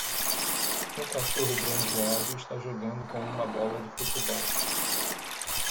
Um cachorro bronzeado está jogando com uma bola de futebol